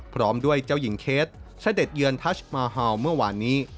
พร้อมด้วยเจ้าหญิงเคสเสด็จเยือนทัชมาฮาวเมื่อวานนี้